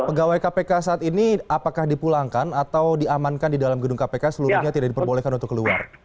pegawai kpk saat ini apakah dipulangkan atau diamankan di dalam gedung kpk seluruhnya tidak diperbolehkan untuk keluar